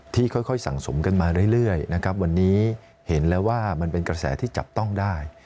ค่อยสั่งสมกันมาเรื่อยนะครับวันนี้เห็นแล้วว่ามันเป็นกระแสที่จับต้องได้